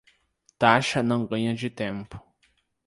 Taxa não ganha de tempo